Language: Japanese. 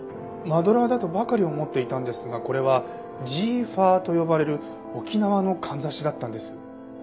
マドラーだとばかり思っていたんですがこれはジーファーと呼ばれる沖縄のかんざしだったんです。